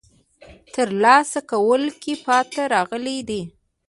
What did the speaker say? ترلاسه کولو کې پاتې راغلي دي.